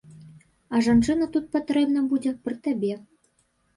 А жанчына тут патрэбна будзе, пры табе.